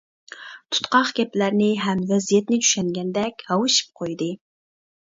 تۇتقاق گەپلەرنى ھەم ۋەزىيەتنى چۈشەنگەندەك ھاۋشىپ قويدى.